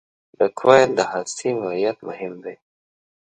د کوایل د هستې نوعیت مهم دی.